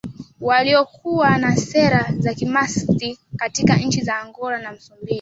waliokuwa na sera za kimaxist katika nchi za Angola na Msumbiji